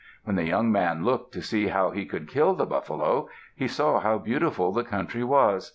When the young man looked to see how he could kill the buffalo, he saw how beautiful the country was.